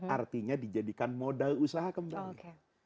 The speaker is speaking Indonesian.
artinya dijadikan modal usaha kembali